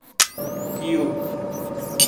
کیو